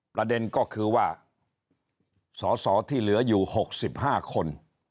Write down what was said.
ประเด็นก็คือว่าสอสอที่เหลืออยู่๖๕คน